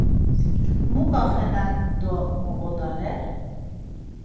Mu gaxenen do moğodare!